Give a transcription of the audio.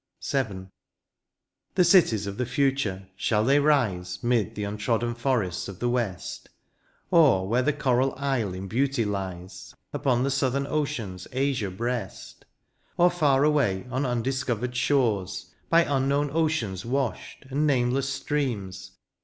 VII. The cities of the future, shall they rise 'Mid the untrodden forests of the west ? Or where the coral isle in beauty lies Upon the southern ocean's azure breast ? Or £Eur away on undiscovered shores. By unknown oceans washed, and nameless streams.